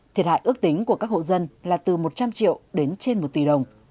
thiệt hại ước tính của các hộ dân là từ một trăm linh triệu đến trên một tỷ đồng